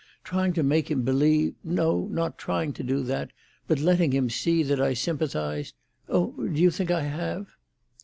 Trying to make him believe—no, not trying to do that, but letting him see that I sympathised—Oh, do you think I have?"